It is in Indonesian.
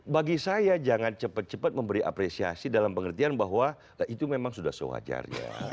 bagi saya jangan cepat cepat memberi apresiasi dalam pengertian bahwa itu memang sudah sewajarnya